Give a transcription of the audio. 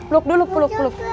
pluk dulu pluk pluk